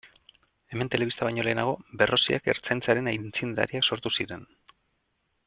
Hemen telebista baino lehenago Berroziak Ertzaintzaren aitzindariak sortu ziren.